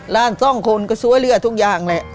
ร้านสองคนก็ซวยเรือทุกอย่างแหละ